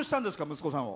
息子さんを。